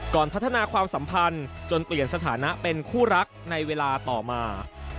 พัฒนาความสัมพันธ์จนเปลี่ยนสถานะเป็นคู่รักในเวลาต่อมา